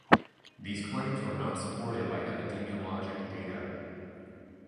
These claims are not supported by epidemiologic data.